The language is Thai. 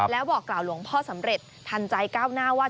แล้วบอกกล่าวหลวงพ่อสำเร็จทันใจก้าวหน้าว่า